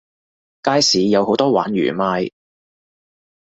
街市有好多鯇魚賣